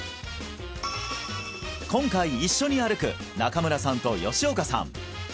今回一緒に歩く中村さんと吉岡さん